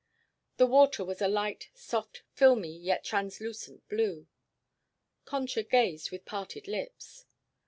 The water was a light, soft, filmy yet translucent blue. Concha gazed with parted lips.